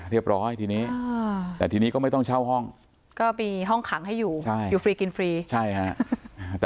เรียบร้อยทีนี้แต่ทีนี้ก็ไม่ต้องเช่าห้องก็มีห้องขังให้อยู่ใช่อยู่ฟรีกินฟรีใช่ฮะ